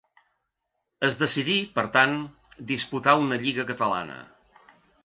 Es decidí, per tant, disputar una Lliga Catalana.